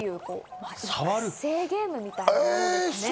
育成ゲームみたいなものですね。